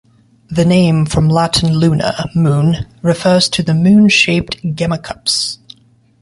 The name, from Latin "luna", moon, refers to the moon-shaped gemmacups.